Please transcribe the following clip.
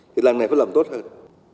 thì lần này phải làm tốt hơn